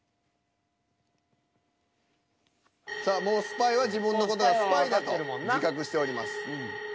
さあもうスパイは自分の事がスパイだと自覚しております。